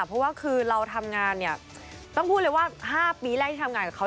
เพราะว่าคือเราทำงานเนี่ยต้องพูดเลยว่า๕ปีแรกที่ทำงานกับเขา